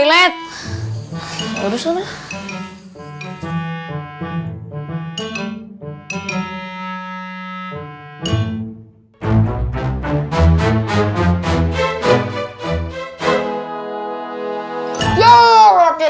bukan buku islami aja